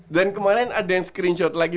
dan kemarin ada yang screenshot lagi